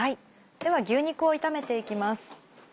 では牛肉を炒めていきます。